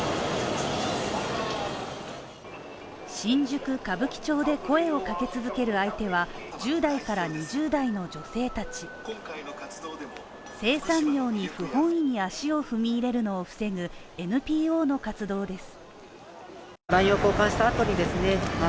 新宿歌舞伎町で声をかけ続ける相手は１０代から２０代の女性たち性産業に不本意に足を踏み入れるのを防ぐＮＰＯの活動です。